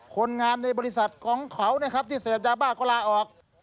คนงานในบริษัทของเขานะครับที่เสพยาบ้าก็ลาออก